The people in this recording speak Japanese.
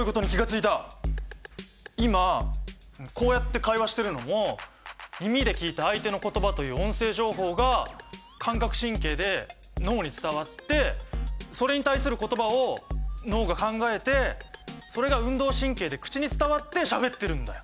今こうやって会話してるのも耳で聞いた相手の言葉という音声情報が感覚神経で脳に伝わってそれに対する言葉を脳が考えてそれが運動神経で口に伝わってしゃべってるんだよ！